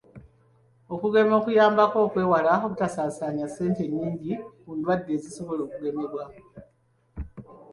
Okugema kuyambako okwewala obutaasaanya ssente nnyingi ku ndwadde ezisobola okugemebwa